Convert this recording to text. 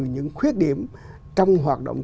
những khuyết điểm trong hoạt động